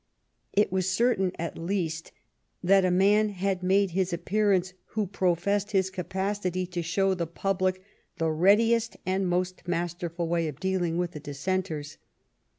It was certain at least that a man had made his appearance who professed his capacity to show the public the readiest and most masterful way of dealing with the Dissenters.